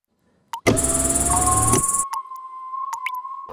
Her engineering officer ordered all hands still on board to abandon ship.